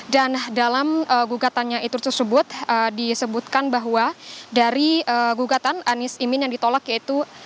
dan dalam gugatannya itu tersebut disebutkan bahwa dari gugatan anies imin yang ditolak yaitu